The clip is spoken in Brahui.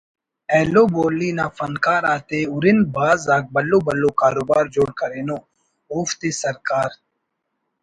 ایلو بولی نا فنکار آتے ہرن بھاز آک بھلو بھلو کاروبار جوڑ کرینو اوفتے سرکار